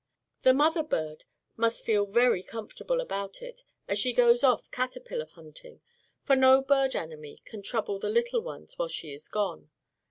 The mother bird must feel very comfortable about it as she goes off caterpillar hunting, for no bird enemy can trouble the little ones while she is gone.